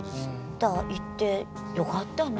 だから行ってよかったね。